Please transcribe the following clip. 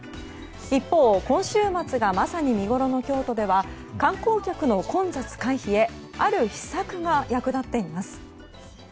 一方、今週末がまさに見ごろの京都では観光客の混雑回避へある秘策が役立っています。